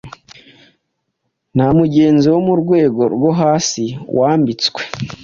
Nta mugenzi wo mu rwego rwo hasi wambitswe